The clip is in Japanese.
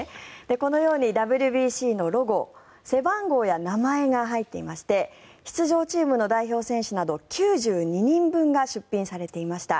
このようにＷＢＣのロゴ背番号や名前が入っていまして出場チームの代表選手など９２人分が出品されていました。